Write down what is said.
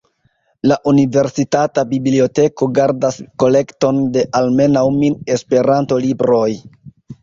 La universitata biblioteko gardas kolekton de almenaŭ mil Esperanto-libroj.